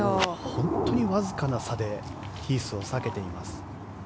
本当にわずかな差でヒースを避けています。